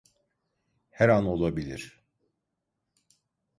Her an olabilir.